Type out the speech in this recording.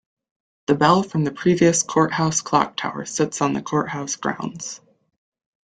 The bell from the previous courthouse clock tower sits on the courthouse grounds.